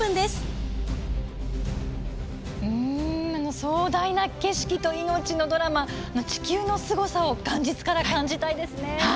壮大な景色と命のドラマ地球のすごさを元日から感じたいですね。